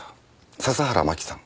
笹原真紀さん